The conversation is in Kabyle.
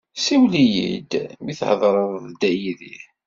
Siwel-iyi-d mi thedreḍ d Dda Yidir.